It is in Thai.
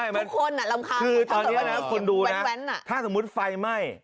ทุกคนอ่ะรำคาญคือตอนเนี้ยนะคุณดูนะถ้าสมมติไฟไหม้